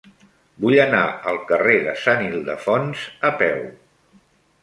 Vull anar al carrer de Sant Ildefons a peu.